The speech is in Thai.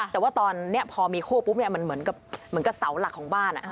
แต่ว่าตอนนี้พอมีคู่ปุ๊บมันเหมือนกับเสาหลักของบ้าน